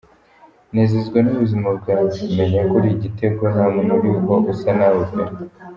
Nezezwa n’ubuzima bwawe: Menyako uri igitego, ntamuntu uriho usa nawe pe.